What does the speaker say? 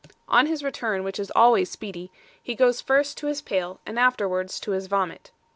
On his return, which is always speedy, he goes first to his pail, and afterwards to his vomit.